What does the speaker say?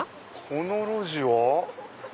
この路地は。